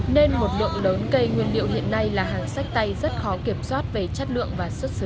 nên một lượng lớn cây nguyên liệu hiện nay là hàng sách tay rất khó kiểm soát về chất lượng và xuất xứ